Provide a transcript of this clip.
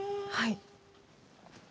はい。